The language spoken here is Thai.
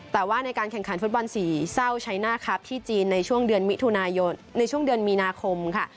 แต่ว่าในการแข่งขันฟุตบอลศรีเศร้าใช้หน้าครับที่จีนในช่วงเดือนมีนาคมค่ะ